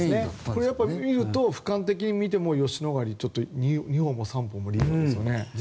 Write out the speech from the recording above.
これを見ると俯瞰的に見ても吉野ヶ里二歩も三歩もリードですよね。